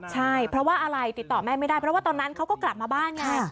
ใช่เพราะว่าอะไรติดต่อแม่ไม่ได้เพราะว่าตอนนั้นเขาก็กลับมาบ้านไง